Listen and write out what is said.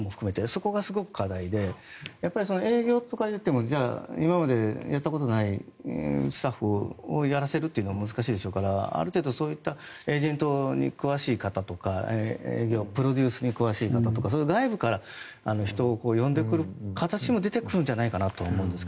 そこがすごく課題で営業とかっていっても今までやったことないスタッフをやらせるというのは難しいでしょうからある程度、そういったエージェントに詳しい方とかプロデュースに詳しい方とかそういう外部から人を呼んでくる形も出てくるんじゃないかなと思うんですが。